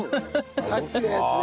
さっきのやつね。